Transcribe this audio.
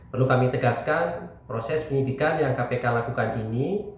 perlu kami tegaskan proses penyidikan yang kpk lakukan ini